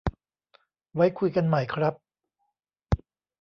ไว้คุยกันใหม่ครับ